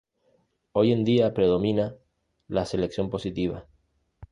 Hoy en día predomina la selección positiva.